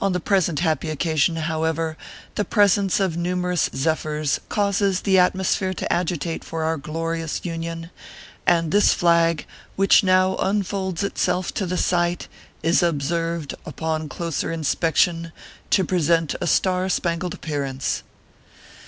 On the present happy occasion, however, the presence of numerous zephyrs causes the atmosphere to agitate for our glorious Union, and this flag, which now unfolds itself to the sight, is observed, upon closer inspection, to present a star spangled appearance."